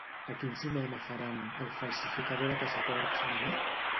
A quin cinema faran "El falsificador de passaports" demà?